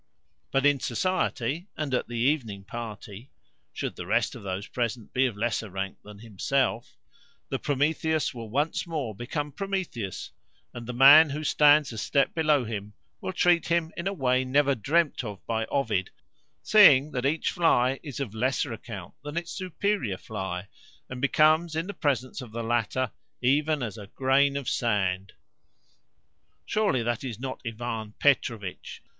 But in society, and at the evening party (should the rest of those present be of lesser rank than himself) the Prometheus will once more become Prometheus, and the man who stands a step below him will treat him in a way never dreamt of by Ovid, seeing that each fly is of lesser account than its superior fly, and becomes, in the presence of the latter, even as a grain of sand. "Surely that is not Ivan Petrovitch?"